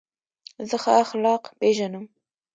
زه ښه اخلاق پېژنم.